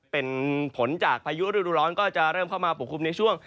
เป็นผลจากพายุฤดูร้อนก็จะเริ่มเข้ามาปกคลุมในช่วง